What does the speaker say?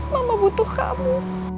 mama butuh kamu